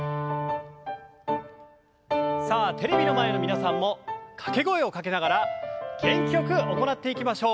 さあテレビの前の皆さんも掛け声をかけながら元気よく行っていきましょう。